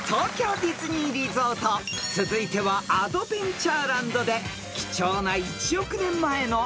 ［続いてはアドベンチャーランドで貴重な１億年前のあれに遭遇］